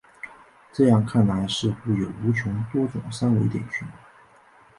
这样看来似乎有无穷多种三维点群。